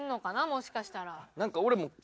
もしかしたら。